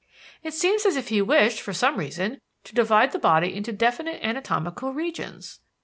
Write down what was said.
"It seems as if he wished, for some reason, to divide the body into definite anatomical regions."